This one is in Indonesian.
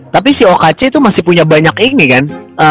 tapi si okc tuh masih punya banyak ini kan